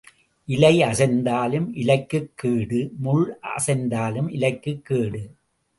இலை அசைந்தாலும் இலைக்குக் கேடு முள் அசைந்தாலும் இலைக்குக் கேடு.